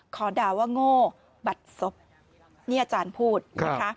ด่าว่าโง่บัดศพนี่อาจารย์พูดนะคะ